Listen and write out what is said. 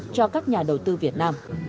cho các nhà đầu tư việt nam